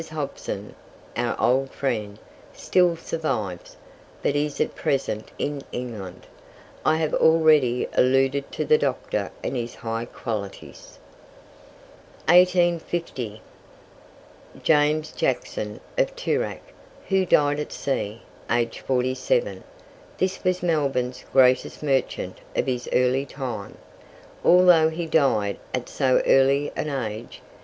Hobson, our old friend, still survives, but is at present in England. I have already alluded to the Doctor and his high qualities. 1850. "James Jackson, of Toorak, who died at sea, aged 47." This was Melbourne's greatest merchant of his early time, although he died at so early an age.